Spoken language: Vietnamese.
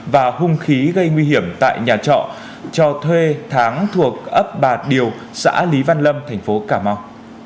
và hung khí gây nguy hiểm tại nhà trọ cho thuê tháng thuộc ấp bà điều xã lý văn lâm thành phố cà mau